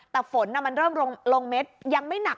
แต่ฝนมันเริ่มลงเม็ดยังไม่หนัก